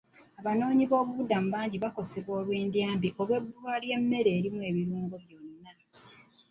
Abanoonyiboobubuddamu bangi bakosebwa endya embi olw'obbula ly'emmere erimu ebirungo byonna.